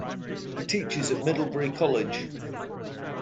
He teaches at Middlebury College.